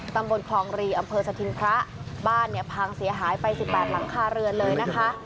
ตำบลคลองรีอำเภอสถิงพระบ้านเนี่ยพังเสียหายไป๑๘หลังคาเรือนเลยนะคะ